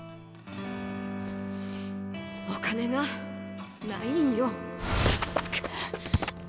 お金がないんよ。